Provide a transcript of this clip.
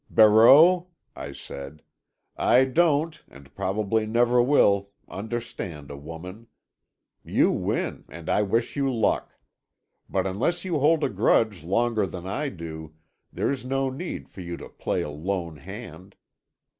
"Barreau," I said, "I don't, and probably never will, understand a woman. You win, and I wish you luck. But unless you hold a grudge longer than I do, there's no need for you to play a lone hand.